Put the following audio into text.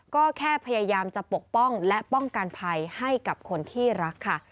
ก็แค่พยายามจะปกป้องและป้องกันภัยให้กับคนที่รักค่ะ